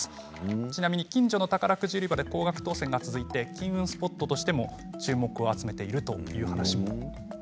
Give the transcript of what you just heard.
ちなみに近所の宝くじ売り場で高額当選が続いて金運スポットとしても注目を集めています。